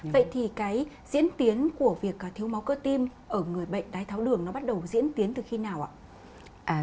vậy thì cái diễn tiến của việc thiếu máu cơ tim ở người bệnh đái tháo đường nó bắt đầu diễn tiến từ khi nào ạ